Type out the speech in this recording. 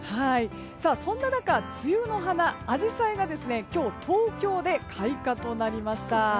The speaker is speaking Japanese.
そんな中梅雨の花、アジサイが今日、東京で開花となりました。